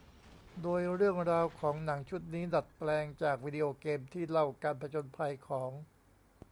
โดยเรื่องราวของหนังชุดนี้ดัดแปลงจากวิดีโอเกมที่เล่าการผจญภัยของ